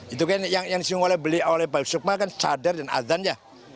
itu kan yang disinggung oleh pak yusuf mal kan cadar dan adhan ya